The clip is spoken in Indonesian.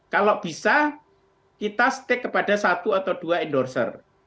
kalau bisa kita stick kepada satu atau dua endorser